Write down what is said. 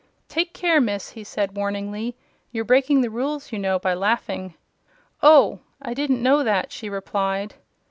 "Take care, Miss!" he said, warningly. "You're breaking the rules, you know, by laughing." "Oh, I didn't know that," she replied.